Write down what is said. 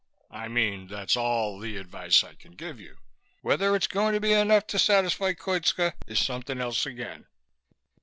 I mean, that's all the advice I can give you. Whether it's going to be enough to satisfy Koitska is something else again."